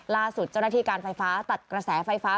ล่าสุดเจ้าหน้าที่การไฟฟ้าตัดกระแสไฟฟ้า